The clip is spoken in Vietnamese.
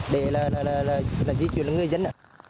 để di chuyển người dân